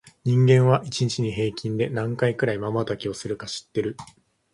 人間は、一日に平均で何回くらいまばたきをするか知ってる？